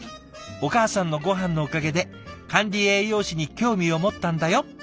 「お母さんのごはんのおかげで管理栄養士に興味を持ったんだよ」。